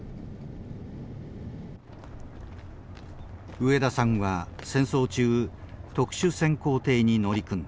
植田さんは戦争中特殊潜航艇に乗り組んだ。